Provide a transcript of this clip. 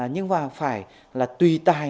nhưng mà phải là tùy tài